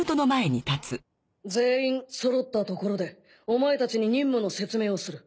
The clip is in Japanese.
全員揃ったところでお前たちに任務の説明をする。